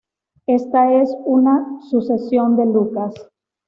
Esta es un sucesión de Lucas.